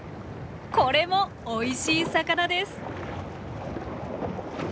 これもおいしい魚です！